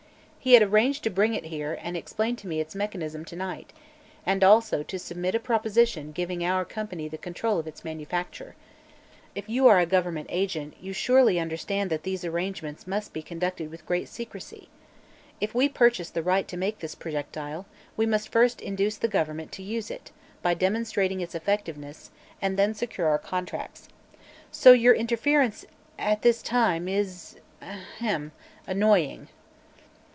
He had arranged to bring it here and explain to me its mechanism to night, and also to submit a proposition giving our company the control of its manufacture. If you are a government agent, you surely understand that these arrangements must be conducted with great secrecy. If we purchase the right to make this projectile, we must first induce the government to use it, by demonstrating its effectiveness, and then secure our contracts. So your interference, at this time, is ahem! annoying."